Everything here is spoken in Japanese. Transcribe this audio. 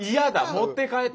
持って帰って。